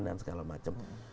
dan segala macam